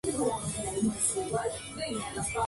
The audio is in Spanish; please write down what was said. Fue el primer club fundado en el Callao.